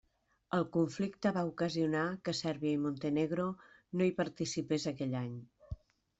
El conflicte va ocasionar que Sèrbia i Montenegro no hi participés aquell any.